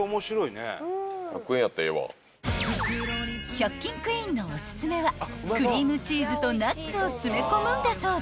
［１００均クイーンのおすすめはクリームチーズとナッツを詰め込むんだそうです］